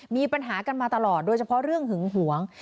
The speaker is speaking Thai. มีปัญหากันมาตลอดโดยเฉพาะเรื่องหึงหวง